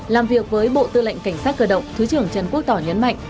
làm việc với bộ tư lệnh cảnh sát cơ động thứ trưởng trần quốc tỏ nhấn mạnh